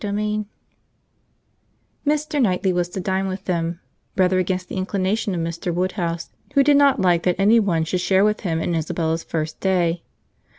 CHAPTER XII Mr. Knightley was to dine with them—rather against the inclination of Mr. Woodhouse, who did not like that any one should share with him in Isabella's first day.